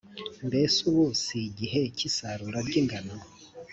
mbese ubu si igihe cy’isarura ry’ingano?